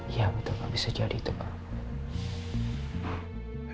iya betul pak bisa jadi itu pak